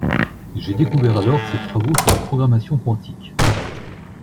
J’ai découvert alors ses travaux sur la programmation quantique